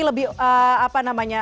lebih apa namanya